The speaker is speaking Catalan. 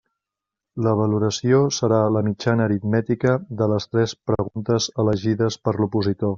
La valoració serà la mitjana aritmètica de les tres preguntes elegides per l'opositor.